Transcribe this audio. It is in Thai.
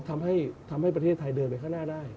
ทำให้ประเทศไทยเดินแก่งแน่ได้